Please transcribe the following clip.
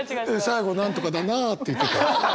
最後何とか「だなぁ」って言ってたよ。